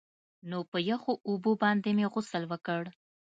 نو په يخو اوبو باندې مې غسل وکړ.